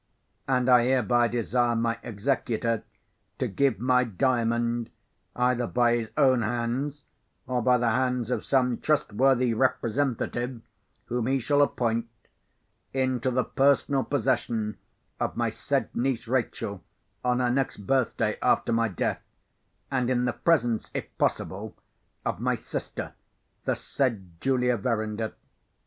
And I hereby desire my executor to give my Diamond, either by his own hands or by the hands of some trustworthy representative whom he shall appoint, into the personal possession of my said niece Rachel, on her next birthday after my death, and in the presence, if possible, of my sister, the said Julia Verinder.